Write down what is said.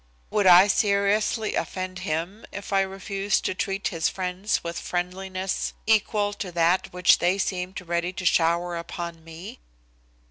Would I seriously offend him if I refused to treat his friends with friendliness equal to that which they seemed ready to shower upon me?